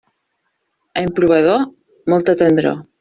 Any plovedor, molta tendror.